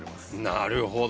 なるほど。